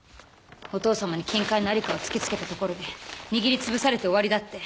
お父さまに金塊の在りかを突き付けたところで握りつぶされて終わりだって。